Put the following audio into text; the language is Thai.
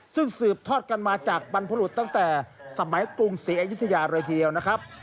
ซึ่งสืบทอดกันมาจากบรรพรุษตั้งแต่สมัยกรุงศรีอยุธยาเลยทีเดียวนะครับ